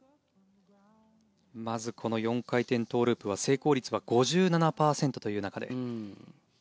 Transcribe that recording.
まず４回転トウループは成功率５７％という中で。